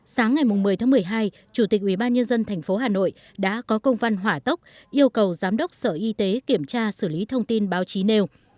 sáng ngày một mươi tháng một mươi hai chủ tịch ubnd tp hà nội đã có công văn hỏa tốc yêu cầu giám đốc sở y tế kiểm tra xử lý thông tin báo chí nêu